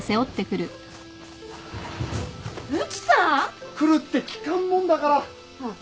来るって聞かんもんだから。